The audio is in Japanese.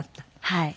はい。